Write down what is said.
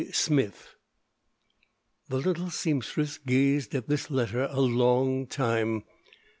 Smith. The little seamstress gazed at this letter a long time.